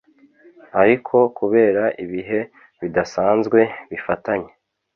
Ariko kubera ibihe bidasanzwe bifatanye